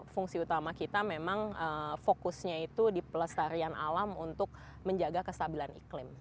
fungsi utama kita memang fokusnya itu di pelestarian alam untuk menjaga kestabilan iklim